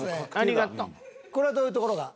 これはどういうところが？